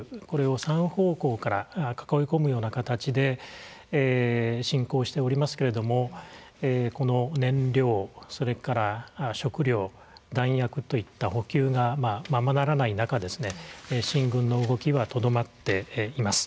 これを３方向から囲い込むような形で侵攻しておりますけれどもこの燃料それから食料弾薬といった補給がままならない中進軍の動きはとどまっています。